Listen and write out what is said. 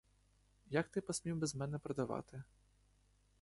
Як ти посмів без мене продавати?